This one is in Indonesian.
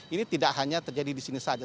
ini tidak hanya terjadi di sini saja